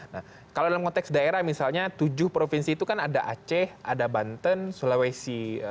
nah kalau dalam konteks daerah misalnya tujuh provinsi itu kan ada aceh ada banten sulawesi